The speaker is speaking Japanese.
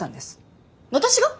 私が？